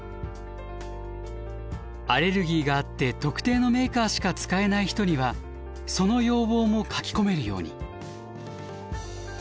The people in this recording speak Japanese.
アレルギーがあって特定のメーカーしか使えない人にはその要望も書き込めるように。